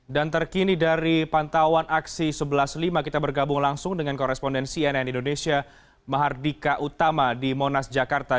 dan terkini dari pantauan aksi sebelas lima kita bergabung langsung dengan korespondensi nn indonesia mahardika utama di monas jakarta